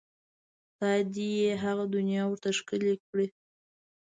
خدای دې یې هغه دنیا ورته ښکلې کړي.